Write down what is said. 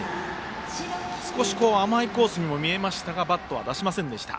少し甘いコースにも見えましたがバットは出しませんでした。